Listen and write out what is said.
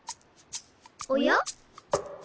おや？